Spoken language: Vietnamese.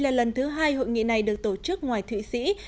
là lần thứ hai hội nghị này được tổ chức ngoài thụy sĩ